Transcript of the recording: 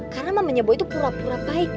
karena mamanya boy itu pura pura baik